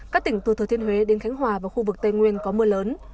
các tỉnh từ thừa thiên huế đến khánh hòa và khu vực tây nguyên có mưa lớn